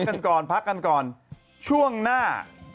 เอ้อพักกันก่อนช่วงหน้า